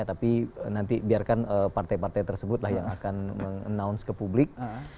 tapi nanti biarkan partai partai tersebut lah yang akan meng announce ke publik